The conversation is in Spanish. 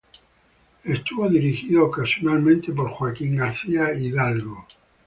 Estuvo dirigido ocasionalmente por Joaquín García Hidalgo.